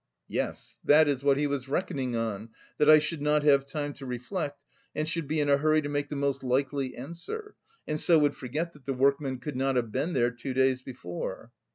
"Yes, that is what he was reckoning on, that I should not have time to reflect, and should be in a hurry to make the most likely answer, and so would forget that the workmen could not have been there two days before."